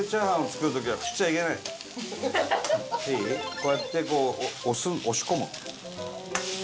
こうやってこう押し込むんだよ。